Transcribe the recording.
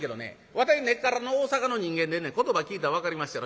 わたい根っからの大坂の人間でね言葉聞いたら分かりまっしゃろ。